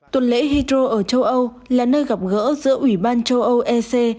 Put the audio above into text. tuần lễ hydro ở châu âu là nơi gặp gỡ giữa ủy ban châu âu ec